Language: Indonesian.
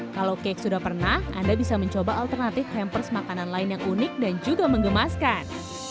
kalau cake sudah pernah anda bisa mencoba alternatif hampers makanan lain yang unik dan juga mengemaskan